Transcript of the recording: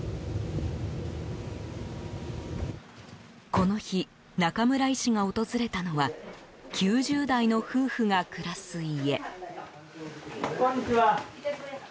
この日、中村医師が訪れたのは９０代の夫婦が暮らす家。